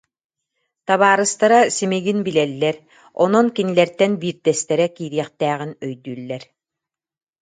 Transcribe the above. Табаарыстара симигин билэллэр, онон кинилэртэн биирдэстэрэ киириэхтээҕин өйдүүллэр